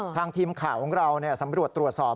ทีมข่าวของเราสำรวจตรวจสอบ